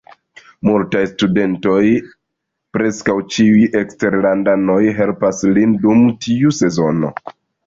Multaj studentoj, preskaŭ ĉiuj eksterlandanoj, helpas lin dum tiu sezono.